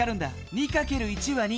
２かける１は２。